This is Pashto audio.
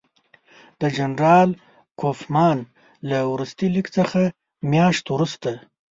د جنرال کوفمان له وروستي لیک څه میاشت وروسته.